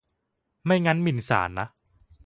ไม่งั้นหมิ่นศาลนะ